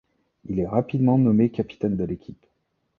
Il est rapidement nommé capitaine de l'équipe.